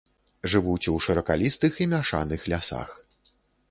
Жывуць у шыракалістых і мяшаных лясах.